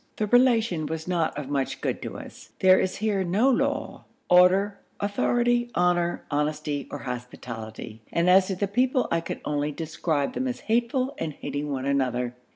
The Relation was not of much good to us. There is here no law, order, authority, honour, honesty, or hospitality, and as to the people, I can only describe them as hateful and hating one another.